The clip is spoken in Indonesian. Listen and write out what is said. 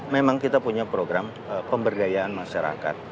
memang kita punya program pemberdayaan masyarakat